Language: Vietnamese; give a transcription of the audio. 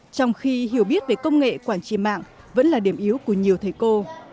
trong khi hiểu biết về công nghệ quản trị mạng vẫn là điểm yếu của nhiều thầy cô